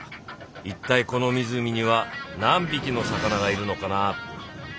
一体この湖には何匹の魚がいるのかなぁ。